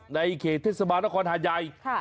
ในเขตเทศบาลนครหายัย